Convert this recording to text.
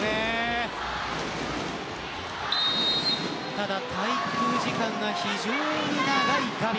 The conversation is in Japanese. ただ滞空時間が非常に長いガビ。